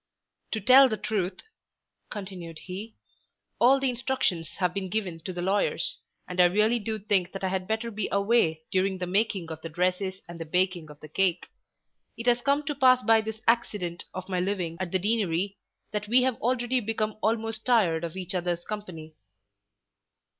"To tell the truth," continued he, "all the instructions have been given to the lawyers, and I really do think that I had better be away during the making of the dresses and the baking of the cake. It has come to pass by this accident of my living at the Deanery that we have already become almost tired of each other's company."